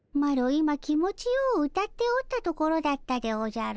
今気持ちよう歌っておったところだったでおじゃる。